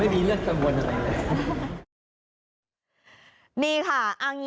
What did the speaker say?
คือไม่มีเรื่องสังวนอะไร